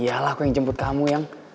ya iyalah aku yang jemput kamu yang